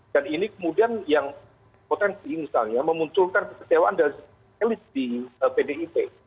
dan ini kemudian yang potensi misalnya memuntulkan keketewaan dari elit di pdip